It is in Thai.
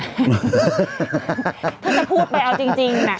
ถ้าจะพูดไปเอาจริงนะ